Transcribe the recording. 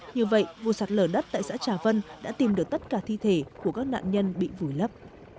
như vậy vụ sạt lở đất tại xã trà vân đã tìm được tất cả thi thể của các nạn nhân bị vùi lấp